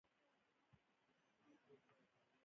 د مارسل بریون ټول کتاب پر هغه ولاړ دی.